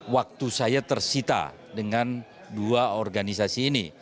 waktu saya tersita dengan dua organisasi ini